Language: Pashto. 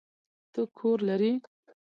ته کور لری؟